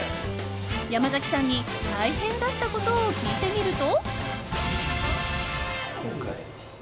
山崎さんに大変だったことを聞いてみると。